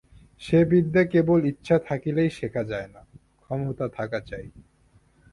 সে বিদ্যা কেবল ইচ্ছা থাকিলেই শেখা যায় না, ক্ষমতা থাকা চাই।